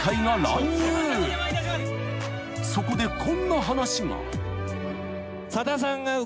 ［そこでこんな話が］